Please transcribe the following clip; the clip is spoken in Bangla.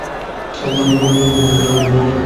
নির্নিমেষ নয়নে আমি কিছুক্ষণ তার দিকে তাকিয়ে রইলাম।